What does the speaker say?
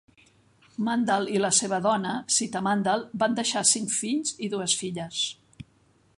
Mandal i la seva dona, Sita Mandal, van deixar cinc fills i dues filles.